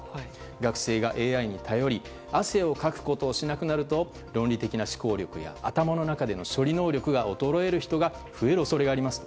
学生がＡＩに頼り汗をかくことをしなくなると論理的な思考力や頭の中の処理能力が衰える人が増える恐れがありますと。